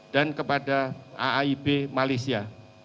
dan kepada aip malaysia